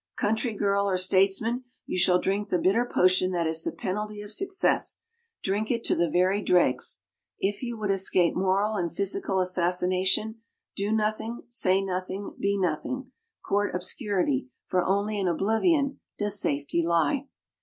country girl or statesman, you shall drink the bitter potion that is the penalty of success drink it to the very dregs. If you would escape moral and physical assassination, do nothing, say nothing, be nothing court obscurity, for only in oblivion does safety lie."